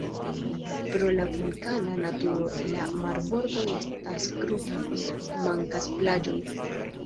Pro la vulkana naturo la marbordoj estas krutaj, mankas plaĝoj.